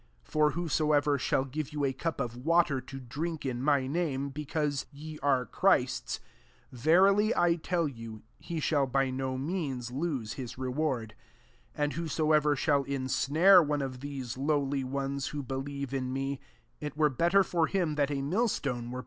41 For whosoever shall give you a cup of water to drink in my name, because ye are Christ's, verily I tell you, he shall by no means lose his reward. 42 And whosoever shall insnare one of these lowly ones, who believe in me, it \f ere better for him that a millstone were put about his neck, and that he were cast into the sea.